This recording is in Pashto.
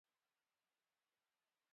تعلیم د ماشومانو په واده کې ځنډ راولي.